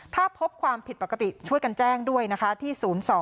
ถ้าพบความผิดปกติช่วยกันแจ้งด้วยนะคะที่๐๒